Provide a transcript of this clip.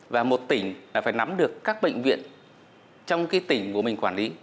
và một tỉnh là phải nắm được các bệnh viện trong tỉnh của mình quản lý